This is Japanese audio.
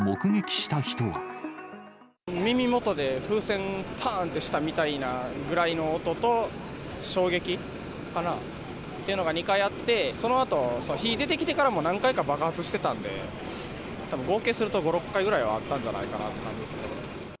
耳元で、風船がぱーんってしたみたいなぐらいの音と、衝撃かな、っていうのが２回あって、そのあと、火が出てきてからも、何回か爆発してたんで、たぶん合計すると５、６回ぐらいはあったんじゃないかなって感じですね。